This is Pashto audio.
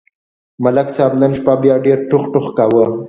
ملک صاحب نن شپه بیا ډېر ټوخ ټوخ کاوه.